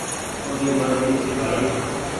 اوري مرزي ڇي ڀآئي۔